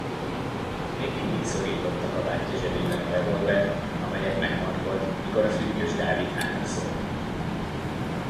Még mindig szorította kabátja zsebében a revolvert, amelyet megmarkolt, mikor a Füttyös Dávid hátraszólt.